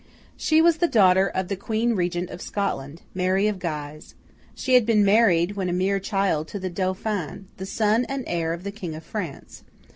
She was the daughter of the Queen Regent of Scotland, Mary of Guise. She had been married, when a mere child, to the Dauphin, the son and heir of the King of France.